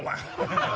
ハハハハ！